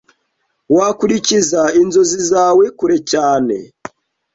Wakurikiza inzozi zawe kure cyane